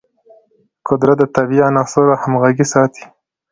قدرت د طبیعي عناصرو همغږي ساتي.